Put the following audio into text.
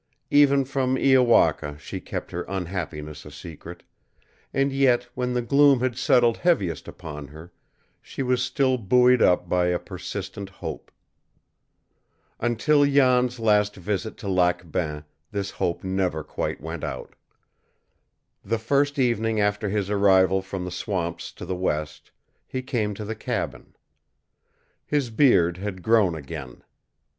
Even from Iowaka she kept her unhappiness a secret; and yet when the gloom had settled heaviest upon her, she was still buoyed up by a persistent hope. Until Jan's last visit to Lac Bain this hope never quite went out. The first evening after his arrival from the swamps to the west, he came to the cabin. His beard had grown again.